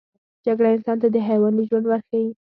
جګړه انسان ته د حیواني ژوند ورښيي